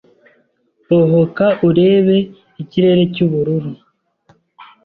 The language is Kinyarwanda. ohoka urebe ikirere cyubururu.